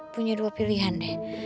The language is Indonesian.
punya dua pilihan deh